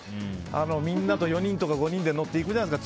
みんな４人とか５人で乗って行くじゃないですか。